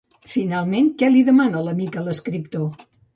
Finalment, que li demana l'amic a l'escriptor?